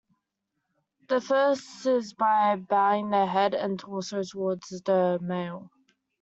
The first is by bowing their head and torso toward the male.